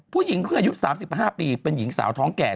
ผู้หญิงคืออายุ๓๕ปีเป็นหญิงสาวท้องแก่